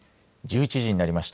１１時になりました。